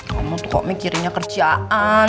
kamu tuh kok mikirinnya kerjaan